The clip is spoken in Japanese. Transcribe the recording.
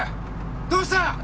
どうした！？